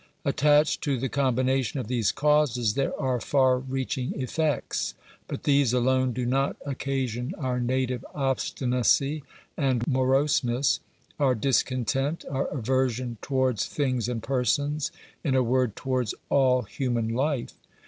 Attached to the combination of these causes there are far reaching effects; but these alone do not occasion our native obstinacy and moroseness, our discontent, our aversion towards things and persons — in a word, towards all human life.